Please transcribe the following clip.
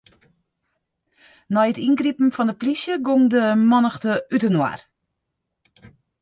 Nei it yngripen fan 'e plysje gong de mannichte útinoar.